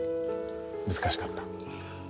難しかった？